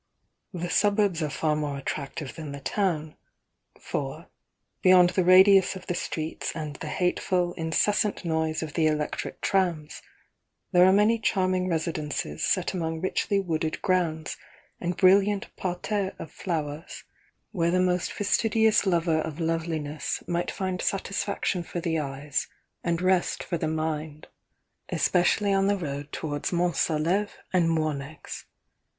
'' The suburbs are far more attractive than the town; for, beyond the radius of the streets and the hateful, incessant noise of the electric trams, there are many charming residences set among richly wooded grounds and brilliant parterres of flowers, 90 100 THE YOUNG DIANA where the most fastidious lover of loveliness might find satisfaction for the eyes and rest for the mind, especially on the road towards Mont Saleve and Mornex.